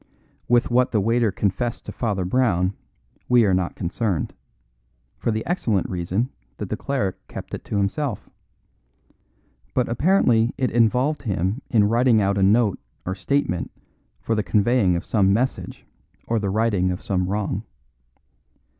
With what the waiter confessed to Father Brown we are not concerned, for the excellent reason that that cleric kept it to himself; but apparently it involved him in writing out a note or statement for the conveying of some message or the righting of some wrong.